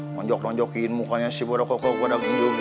ngonjok ngonjokin mukanya si bada koko bada ginjo gitu ya